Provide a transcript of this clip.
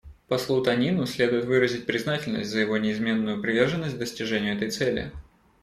Послу Танину следует выразить признательность за его неизменную приверженность достижению этой цели.